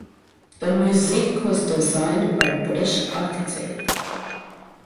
The mosque was designed by British architect.